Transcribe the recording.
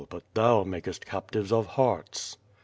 But thou makest captives of hearts."